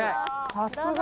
「さすが！」